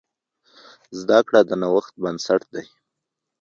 زده کړه د نوښت بنسټ دی.